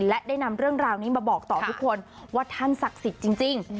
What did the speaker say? และได้นำเรื่องราวนี้มาบอกต่อทุกคนว่าท่านศักดิ์สิทธิ์จริง